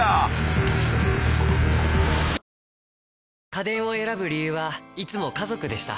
家電を選ぶ理由はいつも家族でした。